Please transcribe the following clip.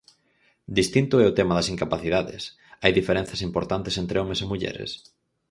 Distinto é o tema das incapacidades Hai diferenzas importantes entre homes e mulleres?